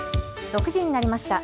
６時になりました。